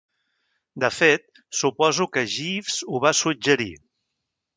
De fet, suposo que Jeeves ho va suggerir.